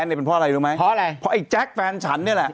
นี่เป็นเพราะอะไรรู้มั้ยพอไอ้แจกแฟนฉันนี่แหละ